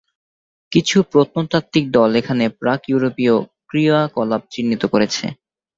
কিছু প্রত্নতাত্ত্বিক দল এখানে প্রাক-ইউরোপীয় ক্রিয়াকলাপ চিহ্নিত করেছে।